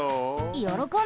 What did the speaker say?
よろこんで！